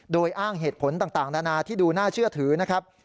โดยอ้างเหตุผลต่างนานาที่ดูน่าเชื่อถือนะครับ